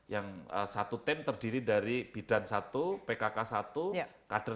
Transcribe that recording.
yang satu tim terdiri dari bidan satu pkk satu kader